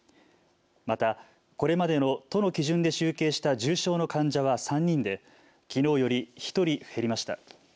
また、これまでの都の基準で集計した重症の患者は３人できのうより１人減りました。